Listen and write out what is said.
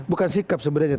bukan sikap sebenarnya